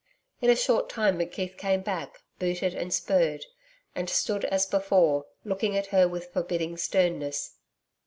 In a short time McKeith came back, booted and spurred, and stood as before looking at her with forbidding sternness.